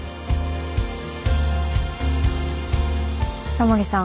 タモリさん